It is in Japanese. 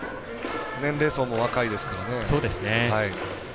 年齢層も若いですからね。